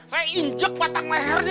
saya injek patang lehernya